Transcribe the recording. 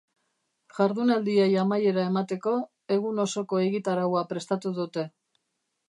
Jardunaldiei amaiera emateko egun osoko egitaraua prestatu dute.